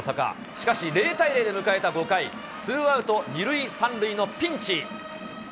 しかし、０対０で迎えた５回、ツーアウト二塁三塁のピンチ。